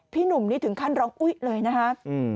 พี่หนุ่มนี่ถึงขั้นร้องอุ๊ยเลยนะครับ